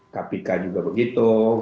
kpk juga begitu